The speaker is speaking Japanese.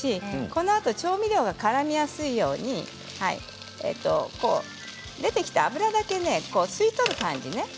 このあと調味料もからみやすいように出てきた脂だけ吸い取る感じね。